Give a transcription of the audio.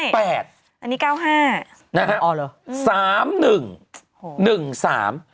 ๙๘ไม่อันนี้๙๕นะครับอ๋อเหรอ